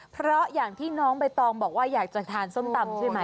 เพราะอย่างที่น้องใบตองบอกว่าอยากจะทานส้มตำใช่ไหม